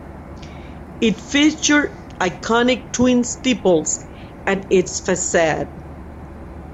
It featured iconic twin steeples at its facade.